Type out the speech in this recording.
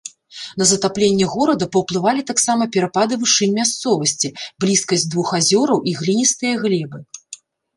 На затапленне горада паўплывалі таксама перапады вышынь мясцовасці, блізкасць двух азёраў і гліністыя глебы.